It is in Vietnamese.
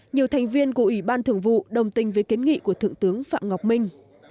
nhiều thành viên của ủy ban thường vụ đồng tình với kiến nghị của thượng tướng phạm ngọc minh